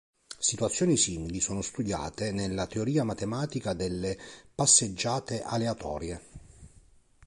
Situazioni simili sono studiate nella teoria matematica delle passeggiate aleatorie.